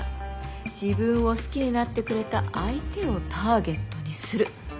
自分を好きになってくれた相手をターゲットにする。